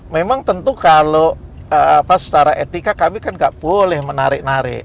memang tentu kalau secara etika kami kan nggak boleh menarik narik